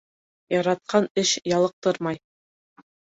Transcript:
Яратҡан эш ялыҡтырмай.